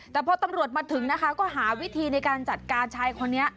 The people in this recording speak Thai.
แต่พอตำรวจมาถึงนะคะก็หาวิธีในการจัดการชายคนนี้